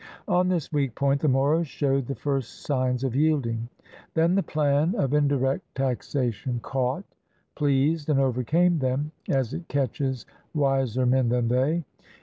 On this weak point the Moros showed the first signs of yielding. Then the plan of indirect taxation caught, pleased, and overcame them, as it catches wiser men than they.